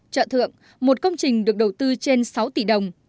chợ thượng một công trình được đầu tư trên sáu tỷ đồng